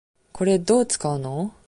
これ、どう使うの？